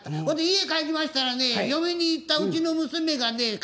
ほんで家帰りましたらね嫁に行ったうちの娘がね